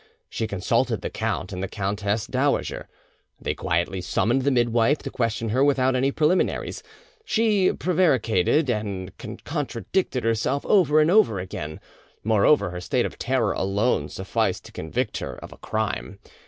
She consulted the count and the countess dowager. They quietly summoned the midwife, to question her without any preliminaries. She prevaricated and contradicted herself over and over again; moreover, her state of terror alone sufficed to convict her of a crime.